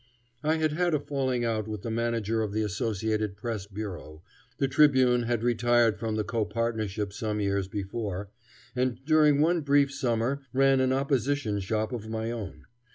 I had had a falling out with the manager of the Associated Press Bureau, the Tribune had retired from the copartnership some years before, and during one brief summer ran an opposition shop of my own.